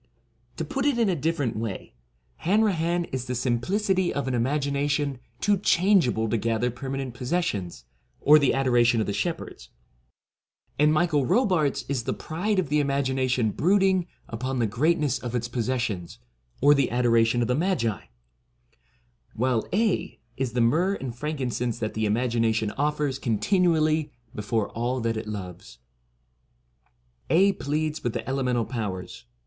To put it in a different way, Hanrahan is the simplicity of an imagination too change able to gather permanent possessions, or the adoration of the shepherds; and Michael n Robartes is the pride of the imagination brood ing upon the greatness of its possessions, or the adoration of the Magi ; while Aedh is the myrrh and frankincense that the imagination offers continually before all that it loves. Aedh pleads with the Elemental Powers.